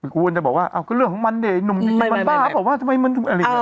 กูบอกว่าเอ้าเรื่องของมันดินุ่มมันบ้าหรอ